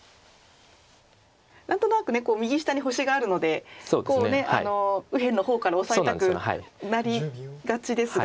何となく右下に星があるので右辺の方からオサえたくなりがちですが。